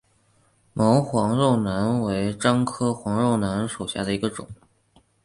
毛黄肉楠为樟科黄肉楠属下的一个种。